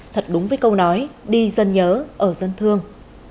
thật đúng với câu nói đi dân nhớ ở dân thương